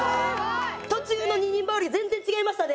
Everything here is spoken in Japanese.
途中の二人羽織全然違いましたね。